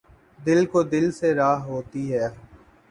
دِل کو دِل سے راہ ہوتی ہے